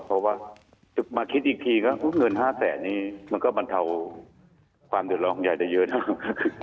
เพราะว่ามาคิดอีกทีก็เงิน๕แสนนี้มันก็บรรเทาความเดือดร้อนของยายได้เยอะนะครับ